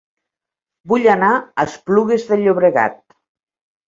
Vull anar a Esplugues de Llobregat